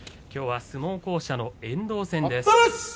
きょうは相撲巧者の、遠藤戦です。